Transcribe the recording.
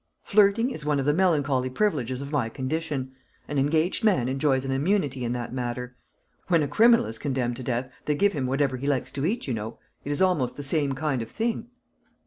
"Flirting is one of the melancholy privileges of my condition. An engaged man enjoys an immunity in that matter. When a criminal is condemned to death, they give him whatever he likes to eat, you know. It is almost the same kind of thing."